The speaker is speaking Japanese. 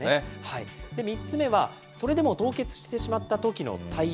３つ目は、それでも凍結してしまったときの対応。